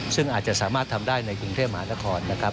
ซึ่งอาจจะสามารถทำได้ในกรุงเทพมหานครนะครับ